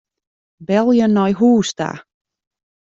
Belje nei hûs ta.